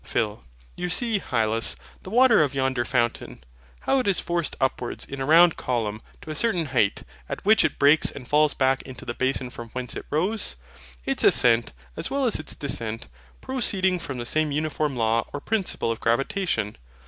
PHIL. You see, Hylas, the water of yonder fountain, how it is forced upwards, in a round column, to a certain height; at which it breaks, and falls back into the basin from whence it rose: its ascent, as well as descent, proceeding from the same uniform law or principle of GRAVITATION.